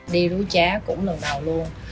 đi rú trá cũng lần đầu luôn